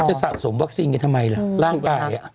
จะสะสมไวร์สินที่ทำไมแล้วร่างกาย